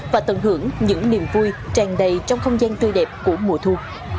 và tận hưởng những niềm vui tràn đầy trong không gian tươi đẹp của mùa thu